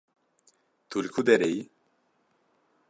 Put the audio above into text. Tu li ku derê yî?